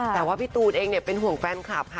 แต่ว่าพี่ตูนเองเป็นห่วงแฟนคลับค่ะ